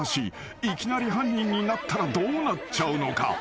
［いきなり犯人になったらどうなっちゃうのか？］